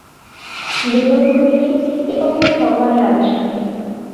বিল্বন কহিলেন, এ কখনোই ভগবানের আদেশ নহে।